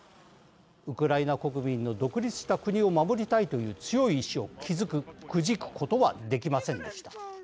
ウクライナ国民の独立した国を守りたいという強い意志をくじくことはできませんでした。